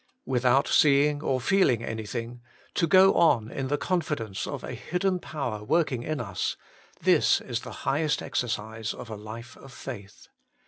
Without seeing or feeling anything, to go on in the confidence of a hidden power working in us — this is the highest exercise of a life of faith.